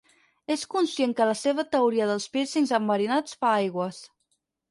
És conscient que la seva teoria dels pírcings enverinats fa aigües.